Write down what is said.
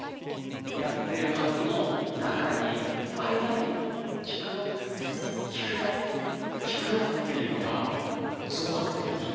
やってるはずの中に間に「聞くよ聞くよ聞くよ」っていうのがぞわって来ました。